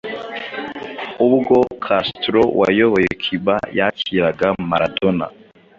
Ubwo Castro wayoboye Cuba, yakiraga Maradona